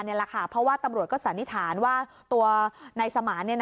เพราะว่าตำรวจก็สันนิษฐานว่าตัวนายสมาน